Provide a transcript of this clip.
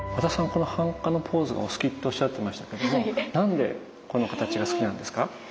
この半跏のポーズがお好きっておっしゃってましたけども何でこの形が好きなんですか？